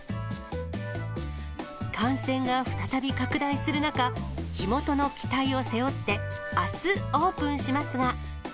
感染が再び拡大する中、地元の期待を背負って、あすオープンしますが。